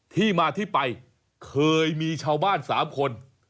ที่มาที่ไปเคยมีชาวบ้าน๓คน